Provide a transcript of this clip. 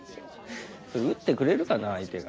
それ打ってくれるかな相手が。